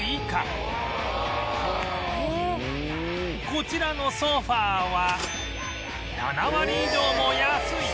こちらのソファは７割以上も安い！